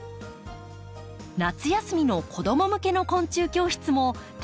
夏休みの子ども向けの昆虫教室も大人気です。